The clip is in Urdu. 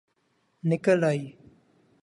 نکل آئ